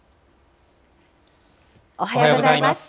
おはようございます。